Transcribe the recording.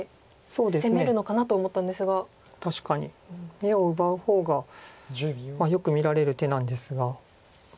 眼を奪う方がよく見られる手なんですが。